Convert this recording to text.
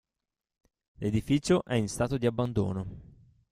L'edificio è in stato di abbandono.